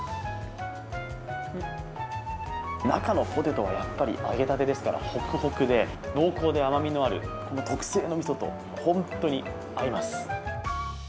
中のポテトが揚げたてですから、ホクホクで濃厚で甘みのある、この特製のみそと本当に合います。